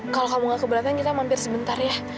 kalau kamu gak keberatan kita mampir sebentar ya